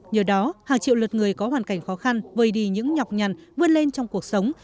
nhờ đó hàng triệu lượt người có hoàn cảnh khó khăn vơi đi những nhọc nhằn vươn lên trong cuộc sống